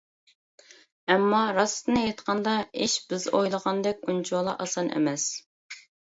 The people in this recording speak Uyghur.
ئەمما، راستىنى ئېيتقاندا، ئىش بىز ئويلىغاندەك ئۇنچىۋالا ئاسان ئەمەس.